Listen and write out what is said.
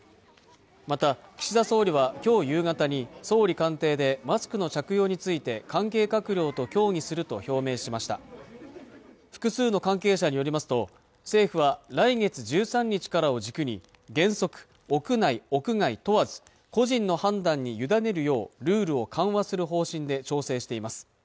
また岸田総理は今日夕方に総理官邸でマスクの着用について関係閣僚と協議すると表明しました複数の関係者によりますと政府は来月１３日からを軸に原則屋内・屋外問わず個人の判断に委ねるようルールを緩和する方針で調整しています